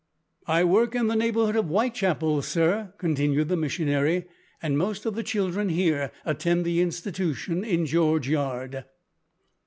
"I work in the neighbourhood of Whitechapel, sir," continued the missionary, "and most of the children here attend the Institution in George Yard."